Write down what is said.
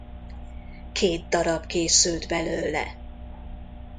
Két darab készült el belőle.